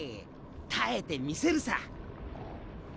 耐えてみせるさ！